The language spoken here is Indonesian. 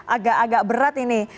agak agak berat ini